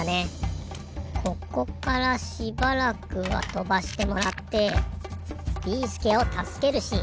ここからしばらくはとばしてもらってビーすけをたすけるシーン。